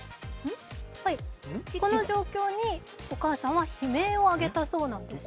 この状況にお母さんは悲鳴を上げたそうなんです。